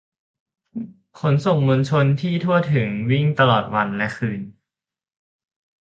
ขนส่งมวลชนที่ทั่วถึง วิ่งตลอดวันและคืน